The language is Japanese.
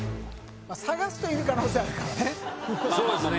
探すといる可能性あるからね。